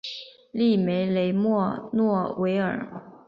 利梅雷默诺维尔。